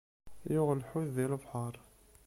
Yuɣ lḥut, di lebḥeṛ.